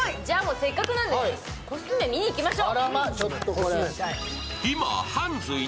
せっかくなんで、コスメ見に行きましょう。